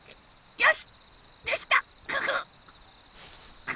よし！